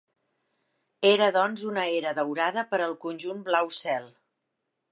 Era doncs una era daurada per al conjunt blau cel.